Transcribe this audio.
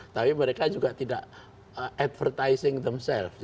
tapi mereka juga tidak advertising themself